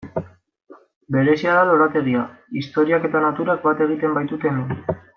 Berezia da lorategia, historiak eta naturak bat egiten baitute hemen.